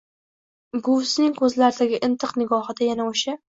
Buvisining koʻzlaridagi intiq nigohida yana oʻsha